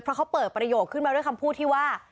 เพราะเขาเปิดประโยคขึ้นมาด้วยคำพูดที่ว่า